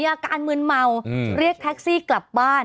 อาการมืนเมาเรียกแท็กซี่กลับบ้าน